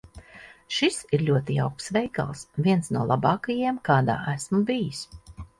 Šis ir ļoti jauks veikals. Viens no labākajiem, kādā esmu bijis.